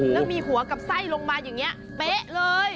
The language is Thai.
แล้วมีหัวกับไส้ลงมาอย่างนี้เป๊ะเลย